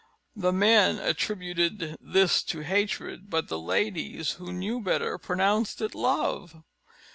The men attributed this to hatred; but the ladies, who knew better, pronounced it love.